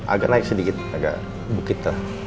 agak naik sedikit agak bukit lah